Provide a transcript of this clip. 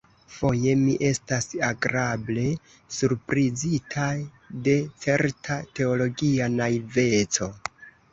Foje mi estas agrable surprizita de certa teologia naiveco.